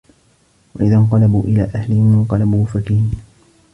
وَإِذَا انقَلَبوا إِلى أَهلِهِمُ انقَلَبوا فَكِهينَ